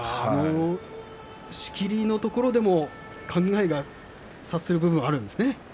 しきりのところでも考えが察する部分があるんですね。